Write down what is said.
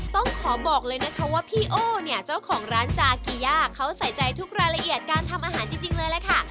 ต้องขอบอกเลยนะคะว่าพี่โอ้เนี่ยเจ้าของร้านจากีย่าเขาใส่ใจทุกรายละเอียดการทำอาหารจริงเลยล่ะค่ะ